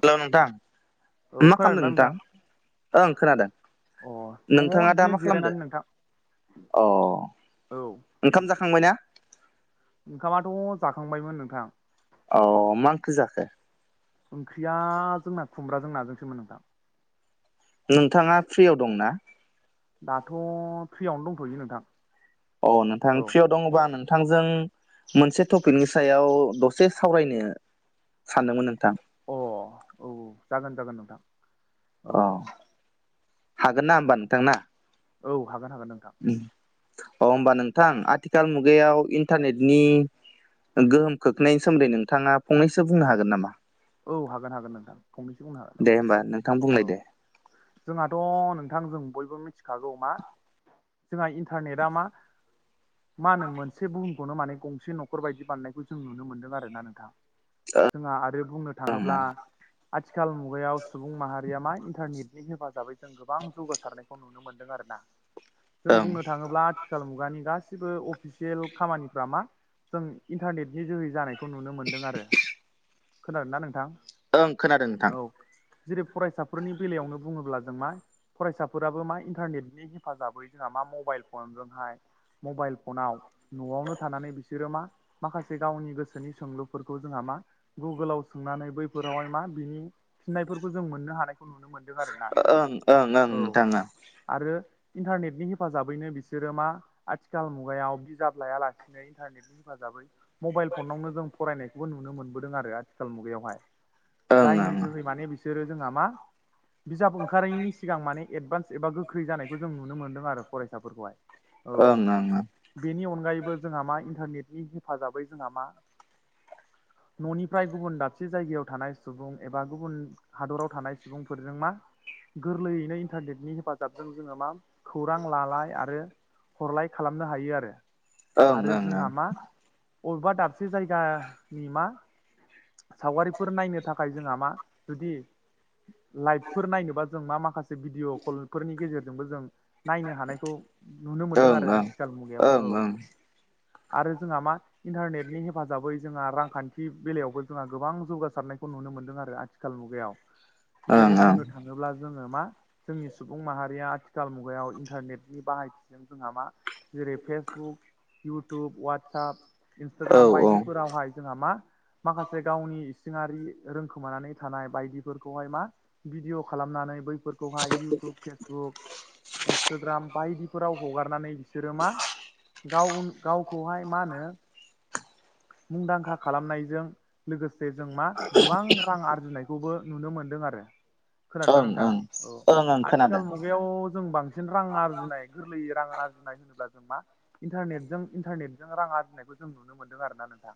हेल' नोंथां औ मा खोनादों खालामदों ना नोंथां। ओं खोनादों अ दङ नोंथाङा दा बिदिनो मा खालामदो। जिरायनानै नोंथां अ औ ओंखाम जाखांबाय ना। ओंखामाथ' जाखांबायमोन नोंथां। अ मा ओंख्रि जाखो। ओंख्रिया जोंना खुमब्राजों नाजोंसोमोन नोंथां। नोंथाङा फ्रियाव दंना। दाथ' फ्रियावनो दंथ'यो नोंथां। औ नोंथां औ फ्रियद दङबा नोंथांजों मोनसे टपिकनि सायाव दसे सावरायनो सानदोंमोन नोंथां। अ औ औ जागोन जागोन नोंथां। औ अ हागोन ना होमबा नोंथां ना। औ हागोन हागोन नोंथां। अ होमबा नोंथां आथिखाल मुगायाव इन्टारनेटनि गोहोम खोखनैनायनि सोमोन्दै नोंथाङा फंनैसो बुंनो हागोन नामा। औ हागोन हागोन नोंथां। फंनैनोसो बुंनो हा दे होमबा नोंथां बुंलाय दे। जोंहाथ' नोंथां जों बयबो मिथिखागौ मा जोंहा इन्टारनेटआ मा मा होनो मोनसे बुहुमखौनो माने गंसे न'खर बायदि बानायनायखौ जों नुनो मोनदों आरो ना नोंथां। जोंहा आरो बुंनो ओं थाङोब्ला ओं आथिखाल मुगायाव सुबुं माहारिया मा इन्टारनेटनि हेफाजाबै जों गोबां जौगासारनायखौ नुनो मोनदों आरोना जों ओं बुंनो थाङोब्ला आथिखाल मुगानि गासिबो अफिसियेल खामानिफ्रा मा जों इन्टारनेटनि जोहै जानाय खौ नुनो मोन्दों आरो खोनादों ना नोंथां। ओं खोनादों औ नोंथां। जेरै फरायसाफोरनि बेलायावनो बुङोब्ला जों मा फरायसाफोराबो मा इन्टारनेटनि हेफाजाबै जोंहा मा मबाइल फनजोंहाय मबाइल फनाव न'आवनो थानानै बिसोरो मा माखासे गावनि गोसोनि सोंलुफोरखौ जोंहा मा गुगोलाव सोंनानै बैफोरावहाय मा बिनि फिननायफोरखौ जों मोननो हानायखौ नुनो मोन [unintelligible] आरोना नोंथां ओं ओं ओं नोंथां ओं औ। आरो इन्टारनेटनि हेफाजाबैनो बिसोरो मा आथिखाल मुगायाव बिजाब लायालासिनो इन्टारनेटनि हेफाजाबै मबाइल फनावनो जों फरायनायखौबो नुनो मोनबोदों आरो आथिखाल मुगायावहाय। ओं जायनि ओं जोहै माने बिसोरो जोंहा मा बिजाब ओंखारैनि सिगां माने एडभान्स एबा गो ख्रै जानायखौ जों नुनो मोन्दों आरो फरायसाफोरखौहाय। औ ओं ओं। बेनि अनगायैबो जोंहा मा इन्टारनेटनि हेफाजाबै जोंहा मा न'नि फ्राय गुबुन दाबसे जायगायाव थानाय सुबुं एबा गुबुन हादराव थानाय सुबुंफोरजों मा गोरलैयैनो इन्टारनेटनि हेफाजाबजों जोङो मा खौरां लालाय आरो हरलाय खालामनो हायो आरो। ओं आरो ओं जोंहा मा, बबेबा दाबसे जायगानि मा सावगारिफोर नायनो थाखाय जोंहा मा जुदि लाइभफोर नायनोबा जों मा माखासे भिडिअ' कलफोरनि गेजेरजोंबो जों नायनो हानायखौ नुनो मोनदों ओं आरो आथिखाल मुगायाव ओं ओं औ। आरो जोंहा मा इन्टारनेटनि हेफाजाबै जोंहा रांखान्थि बेलायावबो जोंहा गोबां जौगासारनायखौ नुनो मोन्दों आरो आथिखाल मुगायाव ओं जेरै- ओं बुंनो थाङोब्ला जोङो मा जोंनि सुबुं माहारिया आथिखाल मुगायाव इन्टारनेटनि बाहायथि जोंहा मा जेरै फेसबुक, इउटुब, वाटसाप इन्सटाग्राम बायदिफोरावहाय जोंहा मा माखासे गावनि इसिङारि रोंखोमानानै थानाय बायदिफोरखौहाय मा भिडिअ' खालामनानै बैफोरखौहाय इउटुब, फेसबुक इन्सटाग्राम बायदिफोराव हगारनानै बिसोरो मा गाव गावखौहाय मा होनो मुंदांखा खालामनायजों लोगोसे जों मा गोबां रां आरजिनायखौबो नुनो मोनदों आरो औ खोनादोंना औ ओं नोंथां, औ ओं ओं खोनादों आथिखाल मुगायाव जों बांसिन रां आरजिनाय गोरलैयै रां आरजिनाय होनोब्ला जों मा इन्टारनेटजों इन्टारनेटजों रां आरजिनायखौ जों नुनो मोन्दों आरो ना नोंथां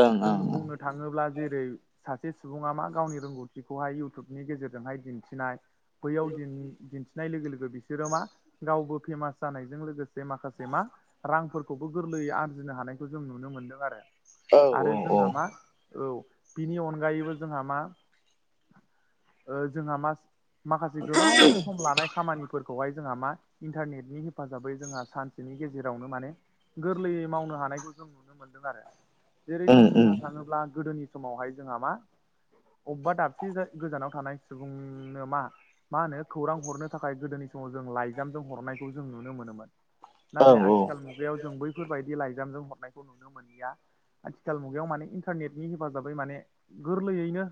ओं ओं ओं नो थाङोब्ला जेरै सासे सुबुङा मा गावनि रोंगौथिखौहाय इउटुबनि गेजेरजोंहाय दिन्थिनाय बैयाव दिन दिनथि नाय लोगो लोगो बिसोरो मा गावबो फेमास जानायजों लोगोसे माखासे मा रांफोरखौबो गोरलैयै आरजिनो हानायखौ जों नुनो मोनदों आरो औ आरो औ जोंहा मा औ बिनि अनगायैबो जोंहा मा ओ जोंहा मा माखासे गोबाव सम लानाय खामानि फोरखौहाय जोंहा मा इन्टारनेटनि हेफाजाबै जोंहा सानसेनि गेजेरावनो माने गोरलैयै मावनो हानायखौ जों नुनो मोनदों आरो जेरै जों उम उम बुंनो थांङोब्ला गोदोनि समावहाय जोंहा मा अबबा दाबसे गोजानाव थानाय सुबुंनो मा मा होनो खौरां हरनो थाखाय गोदोनि समाव जों लाइजामजों हरनायखौ जों नुनो मोनोमोन। औ नाथाय औ आथिखाल मुगायाव जों बैफोरबायदि लाइजामजों हरनायखौ नुनो मोनलिया आथिखाल मुगायाव माने इन्टारनेटनि हेफाजाबै माने गोरलैयैनो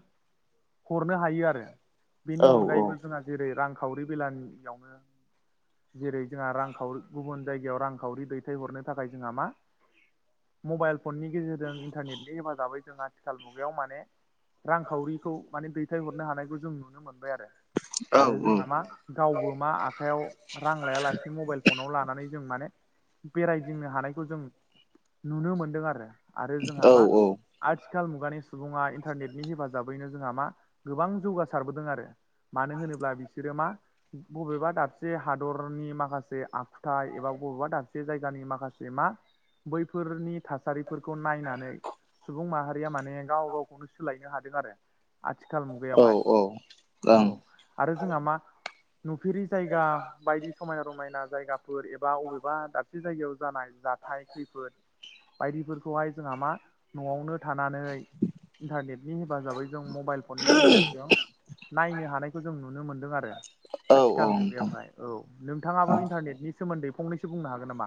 हरनो हायो आरो औ बेनि अनगायैबो जोंहा जेरै रांखावरि बेलानियावनो जेरै जोंहा रांखावरि गुबुन जायगायाव रांखावरि दैथायहरनो थाखाय जोंहा मा मबाइल फननि गेजेरजों इन्टारनेटनि हेफाजाबै जों आथिखाल मुगायाव माने रांखावरिखौ माने दैथायहरनो हानायखौ जों नुनो मोनबाय आरो औ आरो जोंहा मा गावबो मा आखाइयाव रां लायालासिनो मबाइल फनाव लानानै जों माने बेरायदिंनो हानायखौ जों नुनो मोनदों आरो आरो जोंहा मा आथिखाल मुगानि सुबुङा इन्टारनेटनि हेफाजाबैनो जोंहा मा गोबां जौगासारबोदों आरो मानो होनोब्ला बिसोरो मा बबेबा दाबसे हादरनि माखासे आखुथाइ एबा बबेबा दाबसे जायगानि माखासे मा बैफोरनि थासारिफोरखौ नायनानै सुबुं माहारिया माने गाव गावखौनो सोलायनो हादों आरो आथिखाल मुगायावहाय औ औ आरो जोंहा मा नुफेरि जायगा बायदि समायना-रमायना जायगा फोर एबा बबेबा दाबसे जायगायाव जानाय जाथाय खैफोद बायदिफोरखौहाय जोंहा मा न'आवनो थानानै इन्थारनेटनि हेफाजाबै जों मबाइल फननि गेजेरजों नायनो हानायखौ जों नुनो मोनदों आरो ओं औ आथिखाल नोंथां मुगायावहाय औ नोंथाङाबो इन्थारनेटनि सोमोन्दै फंनैसो बुंनो हागोन नामा?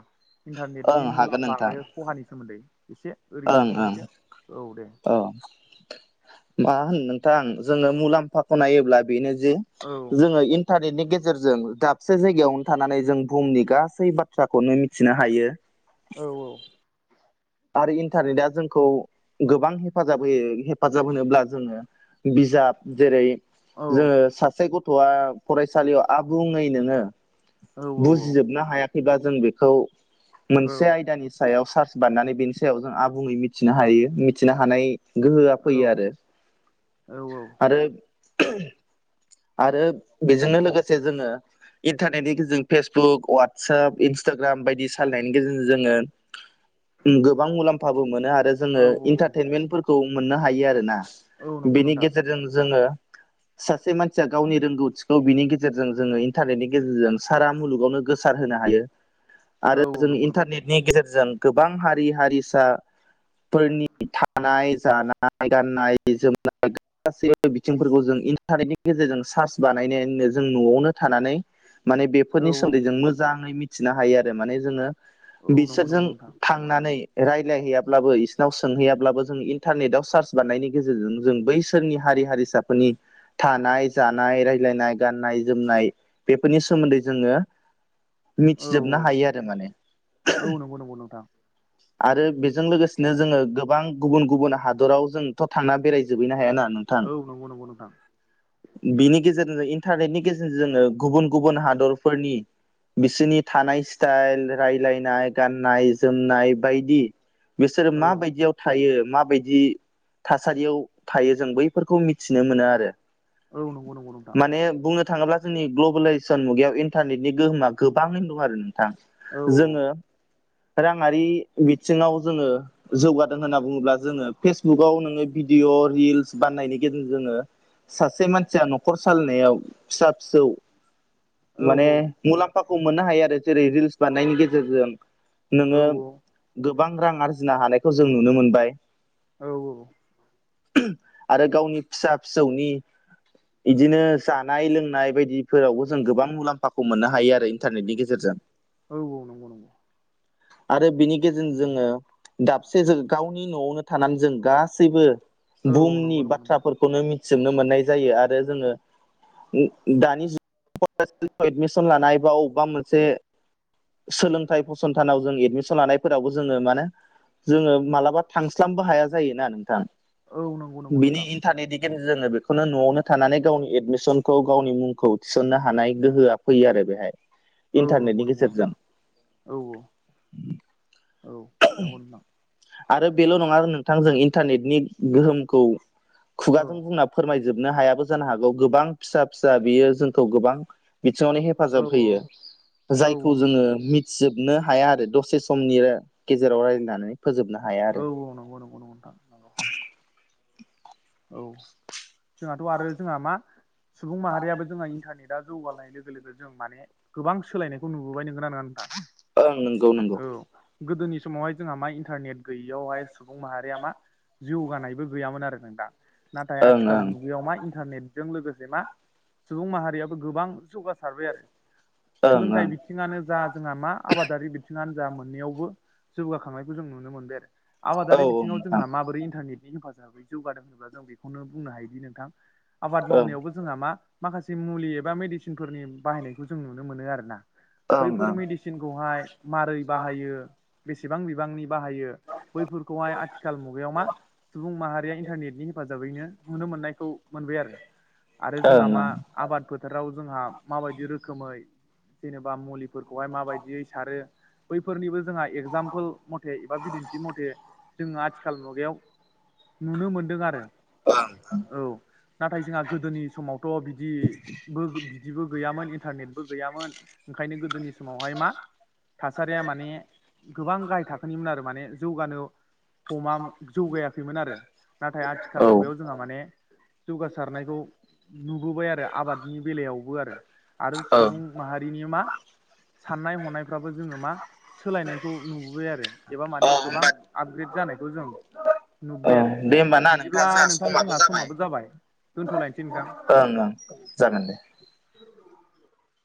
इन्थारनेटनि ओं हागोन मुलाम्फा नोंथां आरो खहानि सोमोन्दै एसे ओरैनो ओं फंनैसो औ मा होनो नोंथां जोङो मुलाम्फाखौ नायोब्ला बेनो जे औ जोङो इन्टारनेटनि गेजेरजों दाब से जायगायावनो थानानै जों बुहुमनि गासै बाथ्राखौनो मिथिनो हायो। औ औ आरो इन्टारनेटआ जोंखौ गोबां हेफाजाब होयो। हेफाजाब होनोब्ला जोङो बिजाब जेरै जोङो सासे गथ'आ फरायसालियाव आबुङै नोङो औ औ बुजिजोबनो हायाखैबा जों बेखौ औ मोनसे आयदानि सायाव सार्च बारनानै बेनि सायाव जों आबुङै मिथिनो हायो मिथिनो हानाय गोहोआ फैयो आरो आरो [unintelligible] आरो बेजोंनो लोगोसे जोङो इन्थारनेटनि गेजेरजों फेसबुक वाटसाप इन्सटाग्राम बायदि सालायनायनि गेजेरजों जोङो गोबां मुलाम्फाबो मोनो आरो जोङो औ इन्थारटेनमेन्टफोरखौ मोननो हायो आरो ना। औ नंगौ बेनि नोंथां गेजेरजों जोङो सासे मानसिया गावनि रो गौथिखौ बिनि गेजेरजों जोङो इन्थारनेटनि गेजेरजों सारा मुलुगावनो गोसार होनो हायो। औ आरो औ जों नंगौ नोंथां इन्थारनेटनि गेजेरजों गोबां हारि हारिसा फोरनि थानाय जानाय गाननाय जोमनाय [unintelligible] गासैबो बिथिंफोरखौ जों इन्टारनेटनि गेजेरजों सार्च बानायनानैनो जों न'आवनो थानानै माने औ बेफोरनि औ सोमोन्दै जों मोजाङै मिथिनो हायो आरो माने जोङो औ नंगौ बिसोरजों नंगौ नोंथां थांनानै रायलायहैयाब्लाबो इसिनाव सोंहैयाब्लाबो जों इन्थारनेटाव सार्च बारनायनि गेजेरजोंनो जों बै सोरनि हारि हारिसाफोरनि थानाय जानाय रायलायनाय गाननाय जोमनाय बेफोरनि सोमोन्दै जोङो औ मिथिजोबनो हायो आरो माने औ नंगौ नंगौ नोंथां आरो बेजों लोगोसेनो जोङो गोबां गुबुन गुबुन हाद'राव जोंथ' थांना बेरायजोबैनो हाया ना नों औ नंगौ नंगौ नोंथां बिनि गेजेरजोंनो इन्थारनेटनि गेजेरजों जोङो गुबुन गुबुन हादरफोरनि बिसोरनि थानाय स्टाइल रायलायनाय गाननाय जोमनाय बायदि बिसोरो औ माबायदियाव थायो माबायदि थासारियाव थायो जों बैफोरखौ मि थिनो मोनो आरो औ नंगौ नंगौ नोंथां माने बुंनो थाङोब्ला जोंनि ग्लबेेलाइजेसन मुगायाव इन्थारनेटनि गोहोमा गोबाङैनो दं आरो नोंथां। औ जोङो राङारि बिथिङाव बुगाव नोङो भिडिअ रिल्स बानायनायनि गेजेरजों जोङो सासे मानसिया न'खर साालायनायाव फिसा फिसौ औ माने मुलाम्फाखौ मोननो हायो आरो जेरै रिल्स बानायनायनि गेजेरजों औ नोङो गोबां रां आरजिनो हानायखौ जों नुनो मोनबाय औ औ आरो गावनि फिसा फिसौनि इदिनो जानाय लोंनाय बायदिफोरावबो जों गोबां मुलाम्फाखौ मोननो हायो आरो इन्थारनेटनि गेजेरजों। औ औ नंगौ नंगौ आरो बिनि गेजेरजों जोङो दाबसे जो गावनि न'आवनो थानानै जों गासैबो औ औ बुहुमनि नंगौ नंगौ नोंथां बाथ्राफोर खौनो मिथिजोबनो मोननाय जायो आरो जोङो [unintelligible] दानि [unintelligible] [unintelligible] एडमिसन लानाय बा अबेबा मोनसे सोलोंथाइ फसंथानाव जों एडमिसन लानायफोरावबो जोङो मानो जोङो मालाबा थांस्लामबो हाया जायोना नोंथां औ नंगौ नंगौ बिनि नोंथां इन थारनेटनि गेजेरजों जोङो बेखौनो न'आवनो थानानै गावनि एडमिसनखौ गावनि मुंखौ थिसननो हानाय गोहोआ फैयो आरो बेहाय। औ नंगौ इन्टारनेटनि नंगौ गेजेरजों नोंथां औ औ औ। नंगौ नोंथां आरो बेल' नङा नोंथांजों इन्टारनेटनि गोहोमखौ औ खुगाजों बुंना फोरमायजोबनो हायाबो जानो हागौ गोबां फिसा फिसा बियो जोंखौ गोबां बिथिङावनो औ हेफाजाब होयो औ जायखौ औ जोङो नंगौ मि जोबनो हाया आरो दसे समनि गेजेराव रायज्लायनानै। फोजोबनो हाया आरो औ औ नंगौ नंगौ नंगौथां। औ जोंहाथ' आरो जोंहा मा सुबुं माहारियाबो जोंहा इन्टारनेटा जौगानाय लोगो लोगो जों माने गोबां सोलायनायखौ नुबोबाय नोंगौ ना नङा नोंथां? ओं नंगौ नंगौ औ। गोदोनि समावहाय जोंहा मा इन्टारनेट गैयियावहाय सुबुं माहारिया मा जौगानायबो गैयामोन आरो नोंथां। नाथाय ओं आथिखाल ओं मुगायाव मा इन्टारनेट जों लोगोसे मा सुबुं माहारियाबो गोबां जौगासारबाय आरो। ओं सोलोंथाइ बिथिं बिथिङानो जा जोंहा मा आबादारि बिथिङानो जा मोननैयावबो जौगाखांनायखौ जों नुनो मोनबाय आरो। औ आबादारि बिथिङाव नोंथां जोंहा माबोरै इन्टारनेटनि हेफाजाबै जौगादों होनोब्ला जों बेखौनो बुंनो हायोदि नोंथां आबाद ओं मावनायावबो जोंहा मा माखासे मुलि एबा मिदिसिनफोरनि बाहायनायखौ जों नुनो मोनो आरो ना। ओं बैफोर मिडिसिनखौहाय मारै बाहायो बसेबां बिबांनि बाहायो बैफोरखौहाय आथिखाल मुगायाव मा सुबुं माहारिया इन्टारनेनि हेफाजाबैनो नुनो मोननायखौ मोनबाय आरो। आरो जोंहा मा ओं आबाद फोथाराव जोंहा माबायदि रोखोमै जेनेबा मुलिफोरखौहाय माबायदियै सारो बैफोरनिबो जोंहा एगजामपोल मथे एबा बिदिन्थि मथे जोङो आथिखाल मुगायाव नुनो मोनदों आरो। ओं। औ। नाथाय जोंहा गोदोनि समावथ' बिदिबो बिदिबो गैयामोन इन्टारनेटबो गैयामोन ओंखायनो गोदोनि समावहाय मा थासारिया माने गोबां गाहाय थाखोनिमोन आरो। माने जौगानो हमामोन जौगायाखैमोन आरो। नाथाय ओं आथिखाल मुगायाव औ जोंहा माने जौगासारनायखौ नुबोबाय आरो आबादनि बेलायावबो आरो। आरो ओं सुबुं माहारिनि मा साननाय हनायफ्राबो जोङो मा सोलायनायखौ नुबोबाय आरो एबा औ माने गोबां होमबा आपग्रेड जानायखौ जों नुबोबाय आरो। दा नोंथां जोंहा समाबो जाबाय। ओं ओं जागोन दे।